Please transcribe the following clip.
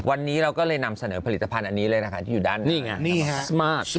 วันนี้เราก็เลยนำเสนอผลิตภัณฑ์นี้เลยนี่อยู่ด้านหน้า